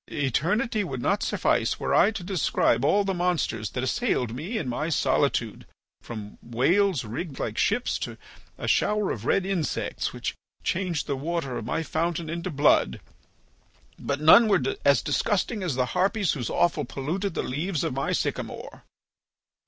Eternity would not suffice were I to describe all the monsters that assailed me in my solitude, from whales rigged like ships to a shower of red insects which changed the water of my fountain into blood. But none were as disgusting as the harpies whose offal polluted the leaves of my sycamore."